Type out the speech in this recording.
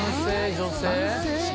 女性？